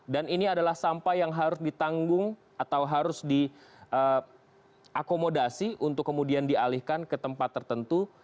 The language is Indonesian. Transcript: dan ini adalah sampah yang harus ditanggung atau harus diakomodasi untuk kemudian dialihkan ke tempat tertentu